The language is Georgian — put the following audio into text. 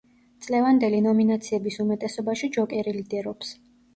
წლევანდელი ნომინაციების უმეტესობაში „ჯოკერი“ ლიდერობს.